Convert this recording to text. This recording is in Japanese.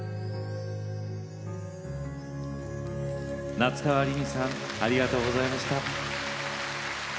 夏川りみさんありがとうございました。